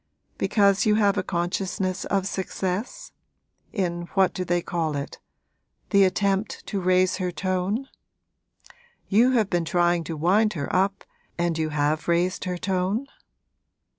'Because you have a consciousness of success? in what do they call it? the attempt to raise her tone? You have been trying to wind her up, and you have raised her tone?'